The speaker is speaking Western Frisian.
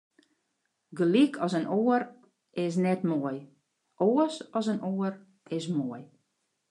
Gelyk as in oar is net moai, oars as in oar is moai.